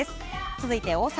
続いて大阪。